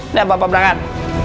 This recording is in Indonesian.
udah bapak berangkat